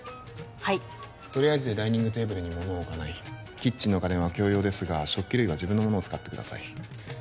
はいとりあえずでダイニングテーブルにものを置かないキッチンの家電は共用ですが食器類は自分のものを使ってください